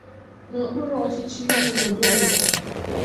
n'okpuruọchịchị ime obodo Oyi